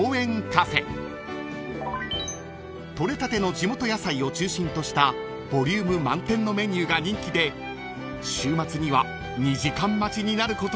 ［取れたての地元野菜を中心としたボリューム満点のメニューが人気で週末には２時間待ちになることもあるそうです］